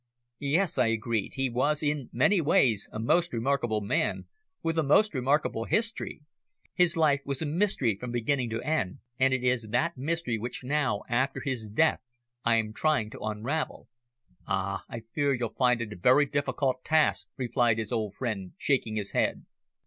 "Yes," I agreed, "he was in many ways a most remarkable man with a most remarkable history His life was a mystery from beginning to end, and it is that mystery which now, after his death, I am trying to unravel." "Ah! I fear you'll find it a very difficult task," replied his old friend, shaking his head.